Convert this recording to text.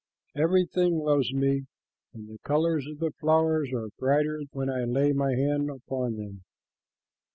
Everything loves me, and the colors of the flowers are brighter when I lay my hand upon them."